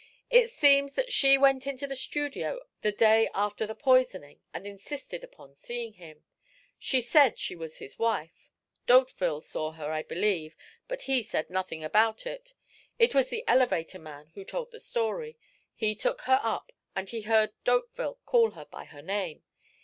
It seems that she went to the studio the day after the poisoning and insisted upon seeing him. She said she was his wife. D'Hauteville saw her, I believe, but he said nothing about it. It was the elevator man who told the story he took her up and he heard D'Hauteville call her by her name.